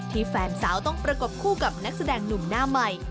แฟนสาวต้องประกบคู่กับนักแสดงหนุ่มหน้าใหม่